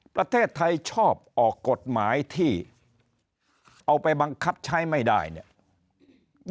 ประเทศไทยชอบออกกฎหมายที่เอาไปบังคับใช้ไม่ได้เนี่ย